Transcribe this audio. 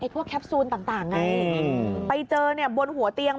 พวกแคปซูลต่างไงไปเจอบนหัวเตียง